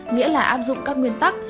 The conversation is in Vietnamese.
nghĩa là áp dụng các nguyên tắc